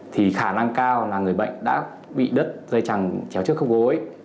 thì khả năng cao là người bệnh đã bị đứt dây chẳng chéo trước khớp gối